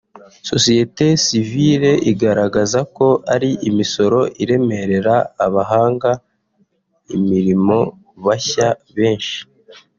Sosiyeti Sivile igaragaza ko ari imisoro iremerera abahanga imirimo bashya benshi